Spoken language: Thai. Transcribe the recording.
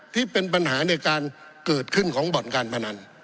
ที่เป็นปัญหาในการเกิดขึ้นของบ่อนการพนัน